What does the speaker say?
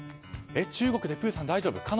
中国でプーさん大丈夫？